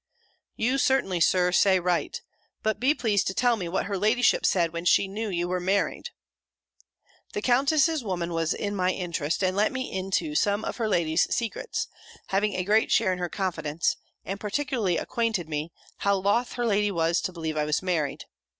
"You certainly, Sir, say right. But be pleased to tell me what her ladyship said when she knew you were married." "The Countess's woman was in my interest, and let me into some of her lady's secrets, having a great share in her confidence; and particularly acquainted me, how loth her lady was to believe I was married.